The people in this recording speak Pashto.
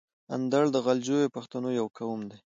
اندړ د غلجیو پښتنو یو قوم ده.